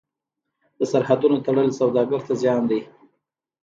د سرحدونو تړل سوداګر ته زیان دی.